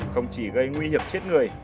không chỉ gây nguy hiểm chết người